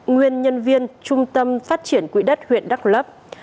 nguyên nhân viên trung tâm phát triển quỹ đất huyện đắk lấp